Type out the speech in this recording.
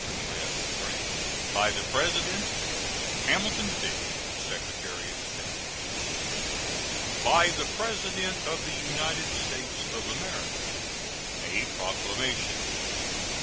U.S. GRANT. By the President: HAMILTON FISH, Secretary of State. BY THE PRESIDENT OF THE UNITED STATES OF AMERICA. A PROCLAMATION.